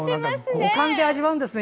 五感で味わうんですね